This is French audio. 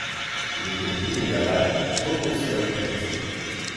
L'économie de Ya'bad repose sur l'agriculture.